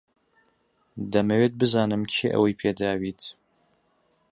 دەمەوێت بزانم کێ ئەوەی پێداویت.